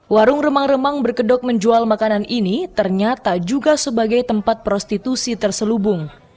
warung remang remang berkedok menjual makanan ini ternyata juga sebagai tempat prostitusi terselubung